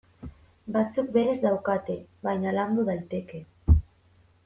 Batzuk berez daukate, baina landu daiteke.